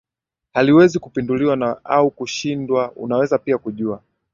haliwezi kupinduliwa au kushindwa Unaweza pia kujua